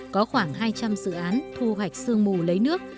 có khoảng hai trăm linh dự án thu hoạch sương mù lấy nước